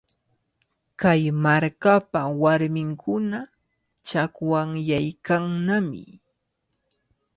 Kay markapa warminkuna chakwanyaykannami.